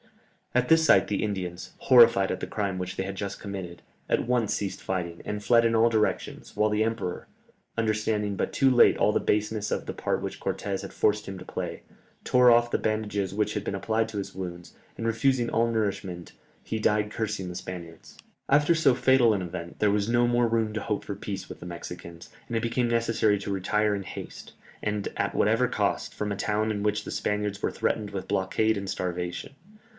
At this sight the Indians, horrified at the crime which they had just committed, at once ceased fighting, and fled in all directions, while the emperor, understanding but too late all the baseness of the part which Cortès had forced him to play, tore off the bandages which had been applied to his wounds, and refusing all nourishment, he died cursing the Spaniards. [Illustration: Death of Montezuma.] After so fatal an event, there was no more room to hope for peace with the Mexicans, and it became necessary to retire in haste, and at whatever cost, from a town in which the Spaniards were threatened with blockade and starvation.